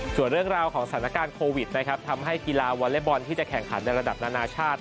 ส่วนเรื่องราวของสถานการณ์โควิดนะครับทำให้กีฬาวอเล็กบอลที่จะแข่งขันในระดับนานาชาติ